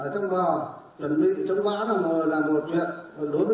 trong bò chuẩn bị